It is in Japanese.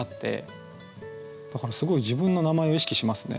だからすごい自分の名前を意識しますね。